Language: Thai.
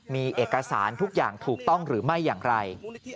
มีเอกสารทุกอย่างถูกต้องหรือไม่อย่างไร